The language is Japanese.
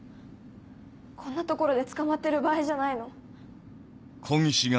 こんな所で捕まってる場合じゃないの。